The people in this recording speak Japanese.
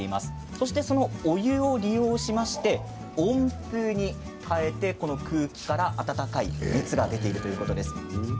そして、そのお湯を利用しまして温風に変えてこの空気から温かい熱が出ているということです。